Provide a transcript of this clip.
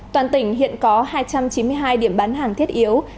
toàn tỉnh hiện có hai trăm chín mươi hai điểm bán hàng thiết yếu